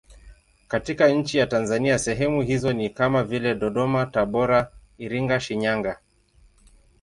Katika nchi ya Tanzania sehemu hizo ni kama vile Dodoma, Tabora, Iringa, Shinyanga.